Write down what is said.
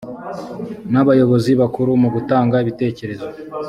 n abayobozi bakuru mu gutanga ibitekerezo